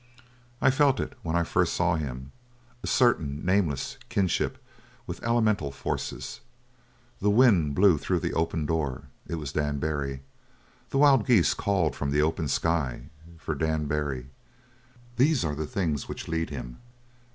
"I felt it when I first saw him a certain nameless kinship with elemental forces. The wind blew through the open door it was Dan Barry. The wild geese called from the open sky for Dan Barry. These are the things which lead him.